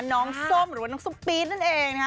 น้องส้มหรือน้องส้มปี๊ดนั่นเองนะฮะ